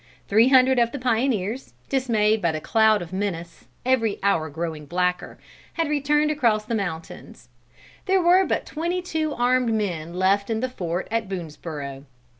Three hundred of the pioneers, dismayed by the cloud of menace, every hour growing blacker, had returned across the moutains. There were but twenty two armed men left in the fort at Boonesborough.